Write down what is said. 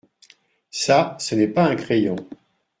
Ça ce n’est pas un crayon.